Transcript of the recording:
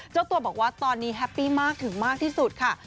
เจ้าตัวบอกว่าตอนนี้แฮปปี้มากถึงมากที่สุดค่ะ